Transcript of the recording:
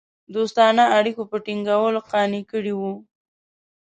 دوستانه اړېکو په ټینګولو قانع کړي وه.